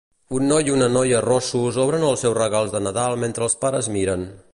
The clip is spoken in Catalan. Un noi i una noia rossos obren els seus regals de Nadal mentre els pares miren